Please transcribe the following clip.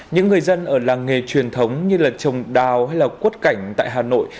những người dân ở làng nghề truyền thống như là trồng đào hay là quất cảnh tại hà nội